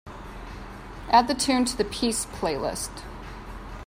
Add the tune to the peace playlist.